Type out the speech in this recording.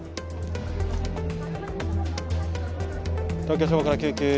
東京消防から救急。